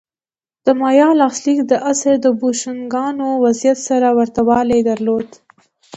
د مایا کلاسیک عصر د بوشونګانو وضعیت سره ورته والی درلود